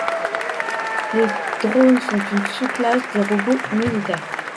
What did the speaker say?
Les drones sont une sous-classe des robots militaires.